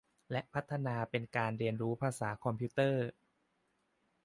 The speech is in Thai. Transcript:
และพัฒนาเป็นการเรียนรู้ภาษาคอมพิวเตอร์